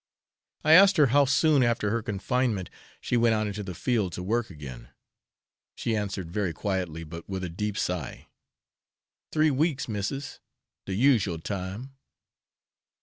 I asked her how soon after her confinement she went out into the field to work again. She answered very quietly, but with a deep sigh: 'Three weeks, missis; de usual time.'